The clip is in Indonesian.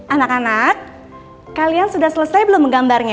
anak anak kalian sudah selesai belum menggambarnya